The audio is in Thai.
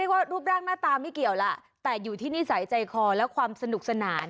ว่ารูปร่างหน้าตาไม่เกี่ยวล่ะแต่อยู่ที่นิสัยใจคอและความสนุกสนาน